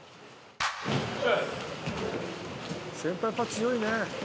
先輩やっぱ強いね。